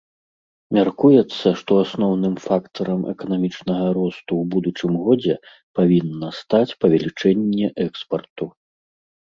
Мяркуецца, што асноўным фактарам эканамічнага росту ў будучым годзе павінна стаць павелічэнне экспарту.